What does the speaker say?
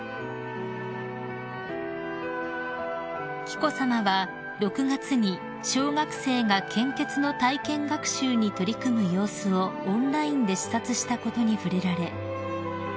［紀子さまは６月に小学生が献血の体験学習に取り組む様子をオンラインで視察したことに触れられ］